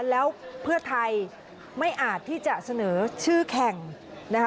แล้วเพื่อไทยไม่อาจที่จะเสนอชื่อแข่งนะคะ